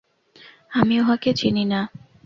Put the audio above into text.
আমি উহাকে চিনি না।